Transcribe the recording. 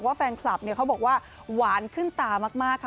แฟนคลับเนี่ยเขาบอกว่าหวานขึ้นตามากค่ะ